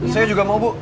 saya juga mau bu